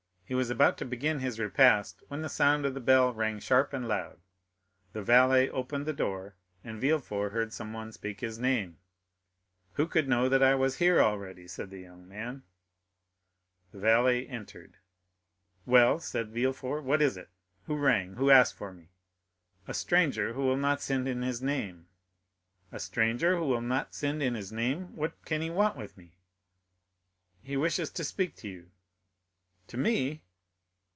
He was about to begin his repast when the sound of the bell rang sharp and loud. The valet opened the door, and Villefort heard someone speak his name. 0147m "Who could know that I was here already?" said the young man. The valet entered. "Well," said Villefort, "what is it?—Who rang?—Who asked for me?" "A stranger who will not send in his name." "A stranger who will not send in his name! What can he want with me?" "He wishes to speak to you." "To me?"